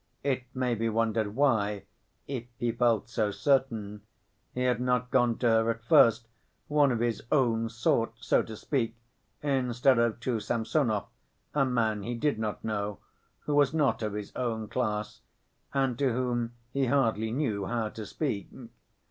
It may be wondered why, if he felt so certain, he had not gone to her at first, one of his own sort, so to speak, instead of to Samsonov, a man he did not know, who was not of his own class, and to whom he hardly knew how to speak.